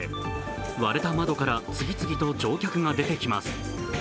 割れた窓から次々と乗客が出てきます。